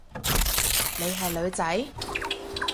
你係女仔？